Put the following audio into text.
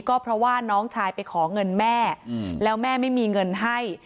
ก็เพราะว่าน้องชายไปขอเงินแม่แล้วแม่ไม่มีเงินให้